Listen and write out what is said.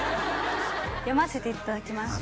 読ませていただきます